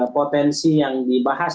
potensi yang dibahas